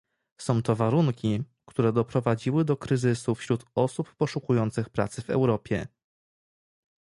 Są to warunki, które doprowadziły do kryzysu wśród osób poszukujących pracy w Europie